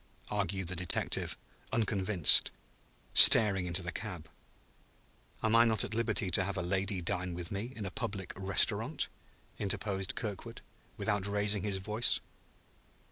argued the detective, unconvinced, staring into the cab. "Am I not at liberty to have a lady dine with me in a public restaurant?" interposed Kirkwood, without raising his voice.